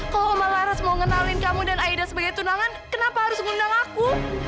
kalau oma laras mau ngenalin kamu dan aida sebagai tunangan kenapa harus ngundang aku